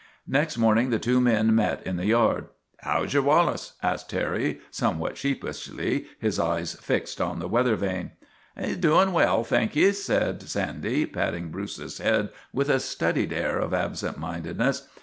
Next morning the two men met in the yard. " How 's yer Wallace ?' asked Terry, somewhat sheepishly, his eyes fixed on the weather vane. " He 's doin' well, thank ye," said Sandy, patting Bruce's head with a studied air of absent minded ness.